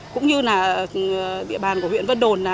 cũng như địa bàn của huyện vân đồn